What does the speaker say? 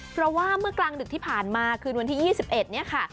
เพราะว่าเมื่อกลางดึกที่ผ่านมาคืนวันที่๒๑เนี่ยค่ะ